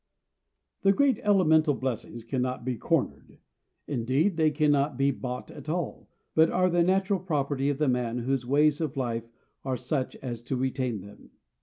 The great elemental blessings cannot be "cornered." Indeed they cannot be bought at all, but are the natural property of the man whose ways of life are such as to retain them.